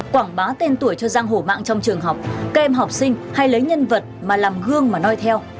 quảng bá tên tuổi cho giang hổ mạng trong trường học các em học sinh hay lấy nhân vật mà làm gương mà nói theo